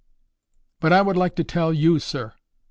"But I would like to tell YOU, sir.